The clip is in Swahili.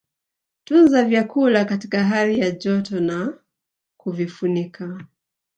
Tunza vyakula katika hali ya joto na kuvifunika